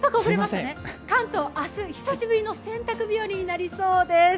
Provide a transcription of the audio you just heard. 関東、明日、久しぶりの洗濯日和になりそうです。